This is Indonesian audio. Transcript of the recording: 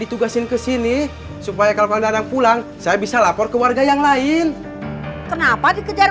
ditugasin kesini supaya kalau datang pulang saya bisa lapor ke warga yang lain kenapa dikejar